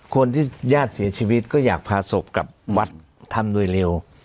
คนที่ญาติเสียชีวิตก็อยากพาศพกลับวัดทำโดยเร็ว